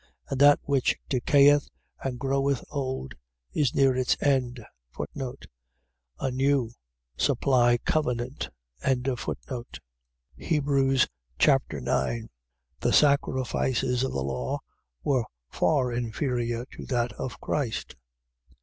And that which decayeth and groweth old is near its end. A new. . .Supply 'covenant'. Hebrews Chapter 9 The sacrifices of the law were far inferior to that of Christ.